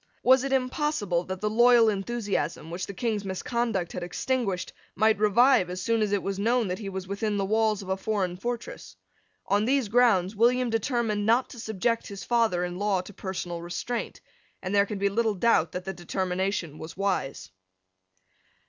Was it impossible that the loyal enthusiasm, which the King's misconduct had extinguished, might revive as soon as it was known that he was within the walls of a foreign fortress? On these grounds William determined not to subject his father in law to personal restraint; and there can be little doubt that the determination was wise.